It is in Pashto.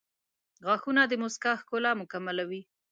• غاښونه د مسکا ښکلا مکملوي.